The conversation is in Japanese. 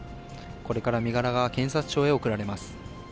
これから身柄が検察庁へ送られま